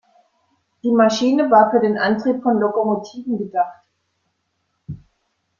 Die Maschine war für den Antrieb von Lokomotiven gedacht.